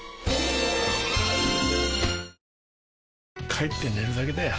帰って寝るだけだよ